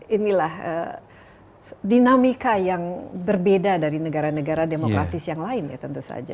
inilah dinamika yang berbeda dari negara negara demokratis yang lain ya tentu saja